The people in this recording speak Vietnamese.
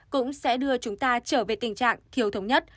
cũng sẽ đưa chúng ta trở về tình trạng thiếu thống nhất